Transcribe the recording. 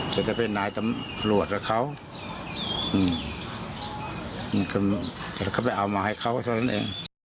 จะได้เป็นนายตำรวจหรือเขาอืมมันก็จะเข้าไปเอามาให้เขาเท่านั้นเอง